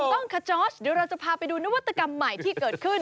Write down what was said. กล้องขจอสเดี๋ยวเราจะพาไปดูนวัตกรรมใหม่ที่เกิดขึ้น